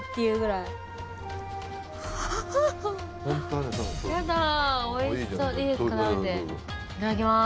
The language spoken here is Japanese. いただきます。